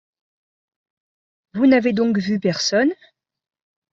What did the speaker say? Vous n’avez donc vu personne ?